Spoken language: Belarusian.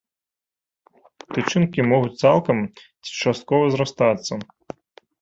Тычынкі могуць цалкам ці часткова зрастацца.